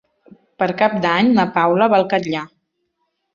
Per Cap d'Any na Paula va al Catllar.